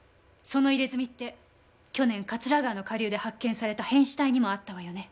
その入れ墨って去年桂川の下流で発見された変死体にもあったわよね。